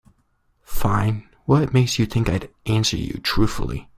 Fine, what makes you think I'd answer you truthfully?